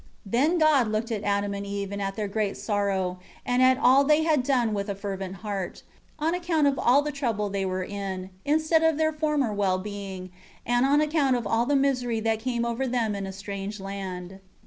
7 Then God looked at Adam and Eve and at their great sorrow, and at all they had done with a fervent heart, on account of all the trouble they were in, instead of their former well being, and on account of all the misery that came over them in a strange land.